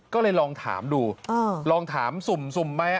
ก็เลยลองถามดูลองถามสุ่มไหม